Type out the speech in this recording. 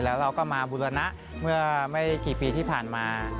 แล้วเราก็มาบุรณะเมื่อไม่กี่ปีที่ผ่านมา